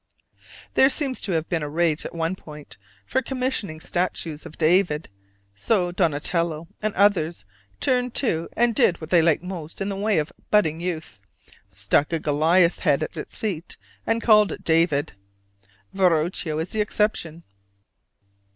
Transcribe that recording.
There seems to have been a rage at one period for commissioning statues of David: so Donatello and others just turned to and did what they liked most in the way of budding youth, stuck a Goliath's head at its feet, and called it "David." Verocchio is the exception.